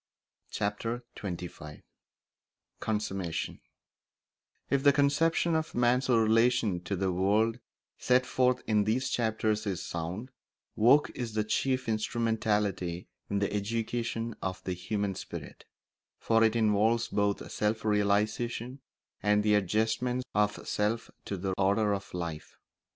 Chapter XXV Consummation If the conception of man's relation to the world set forth in these chapters is sound, work is the chief instrumentality in the education of the human spirit; for it involves both self realisation and the adjustment of self to the order of life.